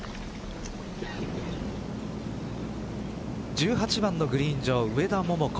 １８番のグリーン上、上田桃子